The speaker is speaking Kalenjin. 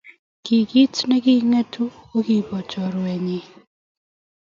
Kekit ne kang'etu ko kobo chorweny